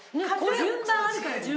順番あるから順番。